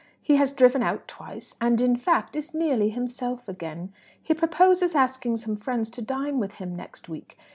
He has driven out twice, and, in fact, is nearly himself again. He purposes asking some friends to dine with him next week.